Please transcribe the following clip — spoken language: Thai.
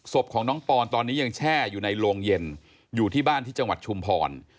ศพของน้องปอนตอนนี้ยังแช่อยู่ในโรงเย็นอยู่ที่บ้านที่จังหวัดชุมพร